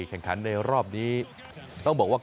แข่งขันในรอบนี้ต้องบอกว่า